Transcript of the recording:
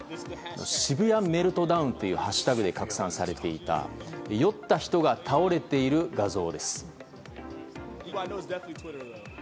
渋谷メルトダウンという＃で拡散されていた、酔った人が倒れている画像です。